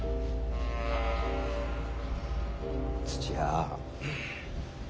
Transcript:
土屋。